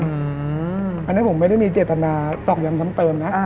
อันนี้ผมไม่ได้มีเจตนาตอกย้ำซ้ำเติมนะ